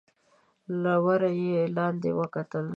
له وره يې لاندې وکتل.